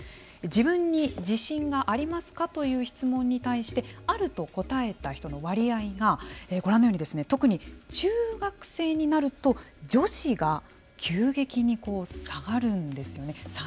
自分に自信がありますかという質問に対してあると答えた人の割合がご覧のように特に中学生になると女子が急激に下がるんですよね。